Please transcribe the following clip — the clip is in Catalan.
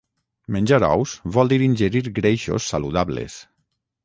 Menjar ous vol dir ingerir greixos saludables